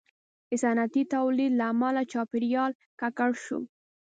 • د صنعتي تولید له امله چاپېریال ککړ شو.